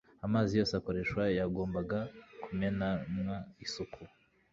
Amazi yose akoreshwa yagombaga kumenanwa isuku